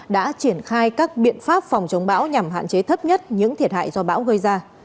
đã triển khai các biện pháp phòng chống bão nhằm hạn chế thấp nhất những thiệt hại do bão gây ra